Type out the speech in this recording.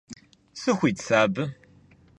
Сыхуит сэ абы?